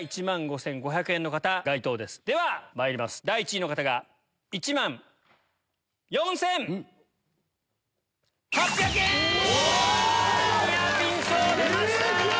ではまいります第１位の方が１万４千８００円！ニアピン賞出ました！